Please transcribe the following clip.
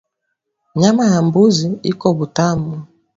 Nyama ya mbuzi iko butamu